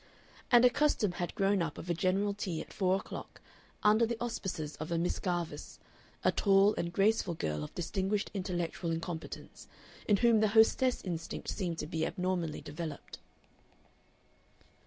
And a custom had grown up of a general tea at four o'clock, under the auspices of a Miss Garvice, a tall and graceful girl of distinguished intellectual incompetence, in whom the hostess instinct seemed to be abnormally developed.